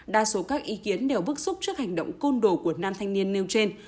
đa số các ý kiến đều bức xúc trước hành động côn đồ của nam thanh niên nêu trên